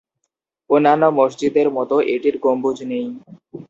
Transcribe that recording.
অন্যান্য মসজিদের মতো এটির গম্বুজ নেই।